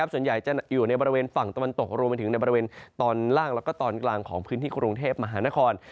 ส่วนใหญ่จะอยู่ในบริเวณฝั่งตะวันตกรวมไปถึงในบริเวณตอนล่างแล้วก็ตอนกลางของพื้นที่กรุงเทพมหานคร